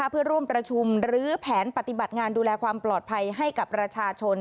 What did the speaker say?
เพื่อร่วมประชุมหรือแผนปฏิบัติงานดูแลความปลอดภัยให้กับประชาชน